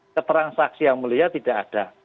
keterang saksi yang melihat tidak ada